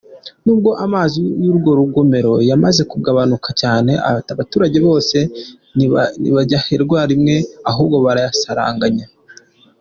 Nubwo amazi y’urwo rugomero yamaze kugabanuka cyane, abaturage bose ntibayaherwa rimwe ahubwo barayasaranganywa.